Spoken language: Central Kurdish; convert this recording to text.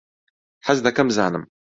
حەز دەکەم بزانم.